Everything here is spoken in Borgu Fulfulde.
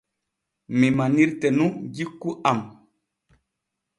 Mi manirte nun jikku am.